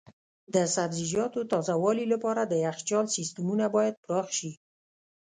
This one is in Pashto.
د سبزیجاتو تازه والي لپاره د یخچال سیستمونه باید پراخ شي.